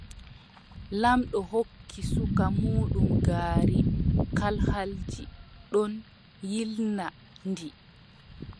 Laamɗo hokki suka muuɗum ngaari kalhaldi ɗon yiilna ndi.